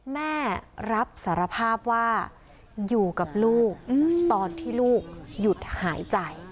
แม่รับสารภาพว่าอยู่กับลูกตอนที่ลูกหยุดหายใจ